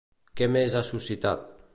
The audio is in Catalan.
Què més ha suscitat?